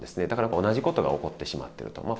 だから同じことが起こってしまってると。